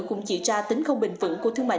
cũng chỉ ra tính không bình vững của thương mại